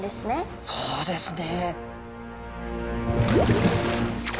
そうですね。